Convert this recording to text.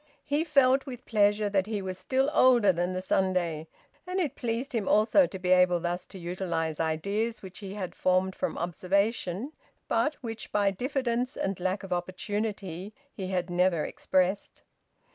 He felt, with pleasure, that he was still older than the Sunday; and it pleased him also to be able thus to utilise ideas which he had formed from observation but which by diffidence and lack of opportunity he had never expressed.